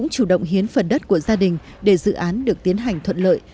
tổng hiến phần đất của gia đình để dự án được tiến hành thuận lợi